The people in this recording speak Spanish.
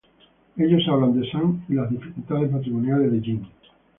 Ellos hablan de Sun y las dificultades matrimoniales de Jin.